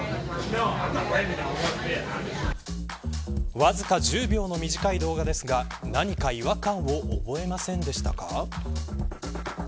わずか１０秒の短い動画ですが何か違和感を覚えませんでしたか。